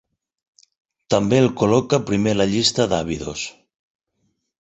També el col·loca primer la llista d'Abidos.